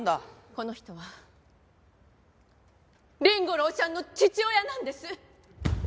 この人は凛吾郎ちゃんの父親なんです！